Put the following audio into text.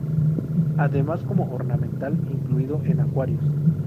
Además como ornamental, incluido en acuarios.